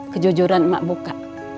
kejujuran emak buka